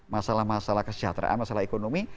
masalah masalah kesejahteraan masalah ekonomi